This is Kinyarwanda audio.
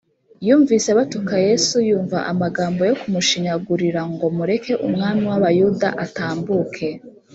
yumvise batuka yesu; yumva amagambo yo kumushinyagurira ngo, mureke umwami w’abayuda atambuke!